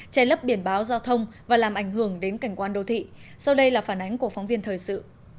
che lấp biển báo giao thông và làm ảnh hưởng đến cảnh quan đô thị sau đây là phản ánh của phóng viên thời sự